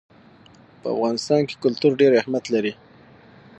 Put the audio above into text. په افغانستان کې کلتور ډېر اهمیت لري.